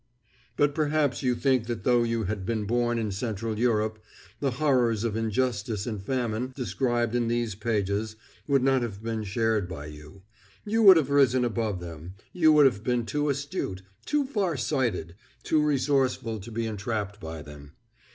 But perhaps you think that though you had been born in Central Europe, the horrors of injustice and famine, described in these pages, would not have been shared by you. You would have risen above them; you would have been too astute, too far sighted, too resourceful to be entrapped by them.